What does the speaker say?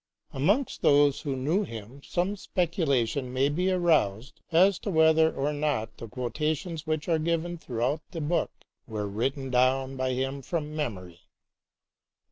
Amongst those who knew him some specu lation may be aroused as to whether or not the quotations which are given throughout the book were written down by him from memory.